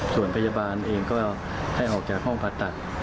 ส่วนพยาบาลเองก็ให้ออกจากห้องผ่าตัด